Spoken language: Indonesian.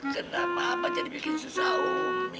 kenapa apa jadi bikin susah